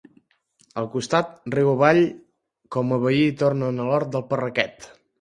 Al costat, riu avall, com a veí hi tenen l'hort del Parraquet.